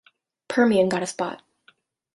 Permian got a spot.